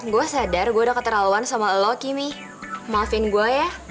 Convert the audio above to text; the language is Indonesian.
gue sadar gue udah keterlaluan sama loki nih maafin gue ya